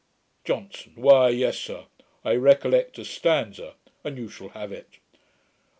JOHNSON. 'Why, yes, sir, I recollect a stanza, and you shall have it: "O!